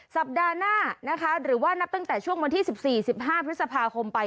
สัปดาห์หน้านะคะหรือว่านับตั้งแต่ช่วงวันที่๑๔๑๕พฤษภาคมไป